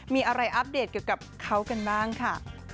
มีอะไรอัปเดตเกี่ยวกับเขากันบ้างค่ะ